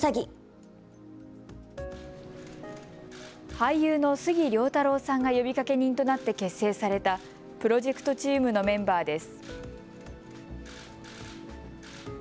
俳優の杉良太郎さんが呼びかけ人となって結成されたプロジェクトチームのメンバーです。